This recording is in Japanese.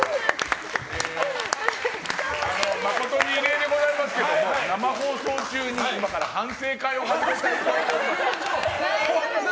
誠に異例でございますけども生放送中に今から反省会を始めたいと思います。